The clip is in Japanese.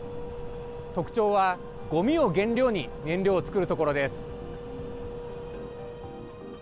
特徴は、ごみを原料に燃料を作る所です。